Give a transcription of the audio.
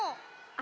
あ！